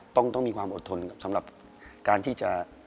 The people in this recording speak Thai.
ต้องมีความอดทนสำหรับการที่จะ